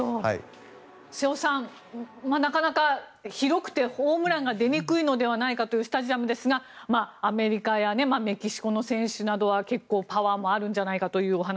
瀬尾さん、なかなか広くてホームランが出にくいのではないかというスタジアムですがアメリカやメキシコの選手などは結構パワーもあるんじゃないかというお話。